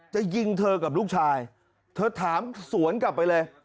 จะยิงเธอกับลูกชายเธอถามสวนกลับไปเลย